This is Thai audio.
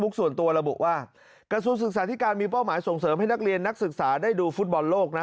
ส่วนตัวระบุว่ากระทรวงศึกษาธิการมีเป้าหมายส่งเสริมให้นักเรียนนักศึกษาได้ดูฟุตบอลโลกนะ